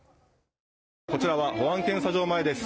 こちらは保安検査場前です。